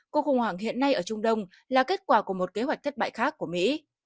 cuộc khủng hoảng hiện nay ở trung đông là kết quả của một kế hoạch thất bại khác của mỹ